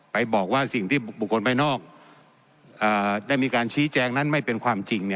ไปบอกว่าสิ่งที่บุคคลภายนอกได้มีการชี้แจงนั้นไม่เป็นความจริง